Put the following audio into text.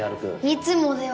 いつもでは。